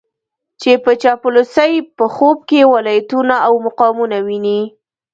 چې په چاپلوسۍ په خوب کې ولايتونه او مقامونه ويني.